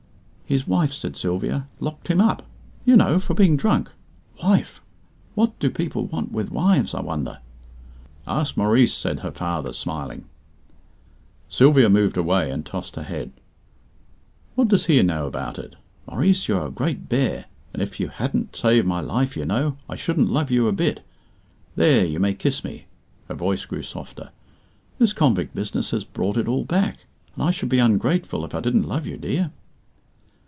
"His wife," said Sylvia, "locked him up, you know, for being drunk. Wife! What do people want with wives, I wonder?" "Ask Maurice," said her father, smiling. Sylvia moved away, and tossed her head. "What does he know about it? Maurice, you are a great bear; and if you hadn't saved my life, you know, I shouldn't love you a bit. There, you may kiss me" (her voice grew softer). "This convict business has brought it all back; and I should be ungrateful if I didn't love you, dear."